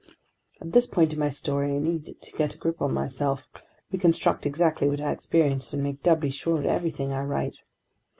At this point in my story, I need to get a grip on myself, reconstruct exactly what I experienced, and make doubly sure of everything I write.